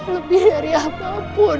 lebih dari apapun